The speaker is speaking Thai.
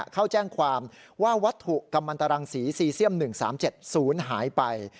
เข้าแจ้งความว่าวัตถุกัมมันตรังศรีซีเซียม๑๓๗๐หายไป